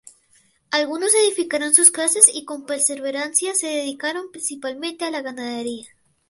Algunos edificaron sus casas y con perseverancia se dedicaron, principalmente, a la ganadería.